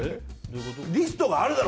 リストがあるだろ！